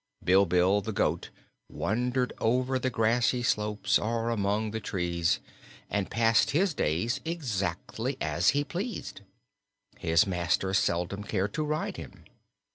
Bilbil the goat wandered over the grassy slopes, or among the trees, and passed his days exactly as he pleased. His master seldom cared to ride him.